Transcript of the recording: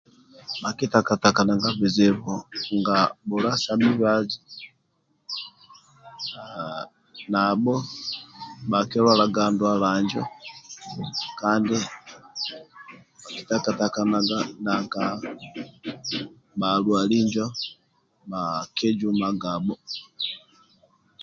Bhaki takatakana bizibu bia nabho bhaki lwalaga ndyala njo kadi nadwali njo bhaki kabhaga